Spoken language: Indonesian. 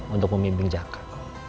untuk membimbing jakak